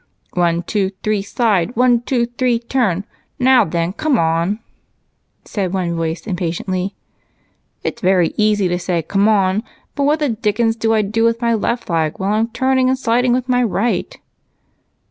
"One, two, three, slide! One, two, three, turn! Now, then, come on!" said one voice impatiently. "It's very easy to say 'come on,' but what the dickens do I do with my left leg while I'm turning and sliding with my right?"